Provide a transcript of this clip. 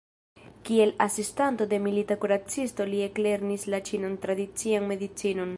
Kiel asistanto de milita kuracisto li eklernis la ĉinan tradician medicinon.